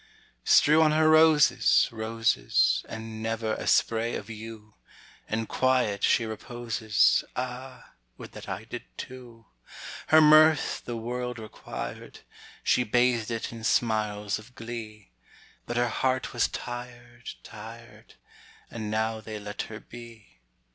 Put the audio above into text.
Strew on her roses, roses, And never a spray of yew. In quiet she reposes: Ah! would that I did too. Her mirth the world required: She bathed it in smiles of glee. But her heart was tired, tired, And now they let her be.